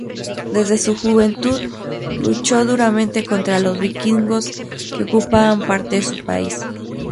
Desde su juventud, luchó duramente contra los vikingos que ocupaban parte de su país.